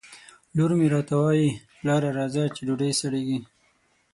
لور مې راته وایي ! پلاره راځه چې ډوډۍ سړېږي